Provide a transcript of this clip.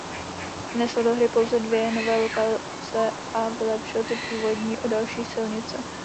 Vnesl do hry pouze dvě nové lokace a vylepšil ty původní o další silnice.